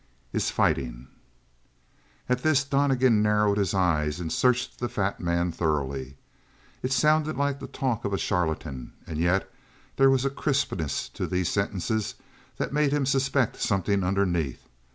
"Is fighting." At this Donnegan narrowed his eyes and searched the fat man thoroughly. It sounded like the talk of a charlatan, and yet there was a crispness to these sentences that made him suspect something underneath.